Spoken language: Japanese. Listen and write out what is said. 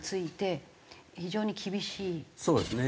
そうですね。